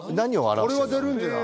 これは出るんじゃない？